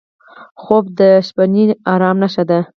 خوب د شپهني ارام نښه ده